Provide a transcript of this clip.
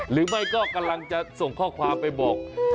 หรือไม่ก็กำลังจะส่งข้อความไปบอก